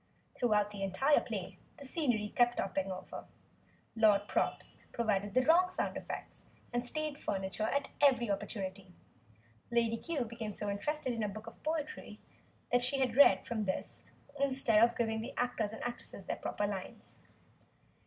Throughout the entire play the scenery kept toppling over, Lord Props provided the wrong sound effects, and stage furniture at every opportunity, and Lady Cue became so interested in a book of poetry that she read from this instead of giving the actors and actresses their proper lines.